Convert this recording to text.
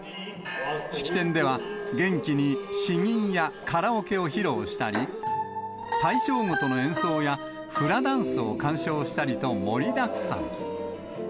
式典では、元気に詩吟やカラオケを披露したり、大正琴の演奏やフラダンスを鑑賞したりと盛りだくさん。